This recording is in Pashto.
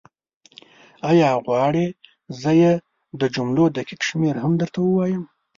ایا غواړې زه یې د جملو دقیق شمېر هم درته ووایم؟